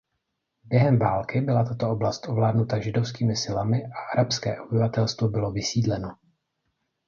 Během války byla tato oblast ovládnuta židovskými silami a arabské obyvatelstvo bylo vysídleno.